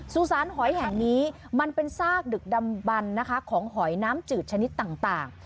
สุสานหอยแห่งนี้มันเป็นซากดึกดำบันนะคะของหอยน้ำจืดชนิดต่าง